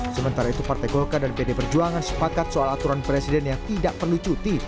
sementara itu partai golkar dan pd perjuangan sepakat soal aturan presiden yang tidak perlu cuti